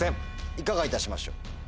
いかがいたしましょう？